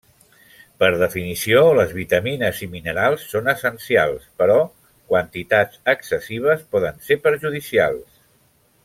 Per definició les vitamines i minerals són essencials però quantitats excessives poden ser perjudicials.